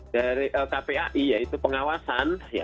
dari kpai yaitu pengawasan